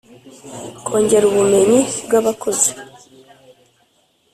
Kongera ubumenyi bw abakozi